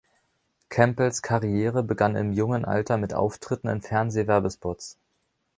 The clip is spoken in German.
Campbells Karriere begann im jungen Alter mit Auftritten in Fernsehwerbespots.